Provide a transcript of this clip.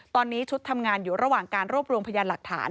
ตอนนี้ชุดทำงานอยู่ระหว่างการรวบรวมพยานหลักฐาน